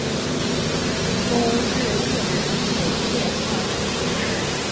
松日厄人口变化图示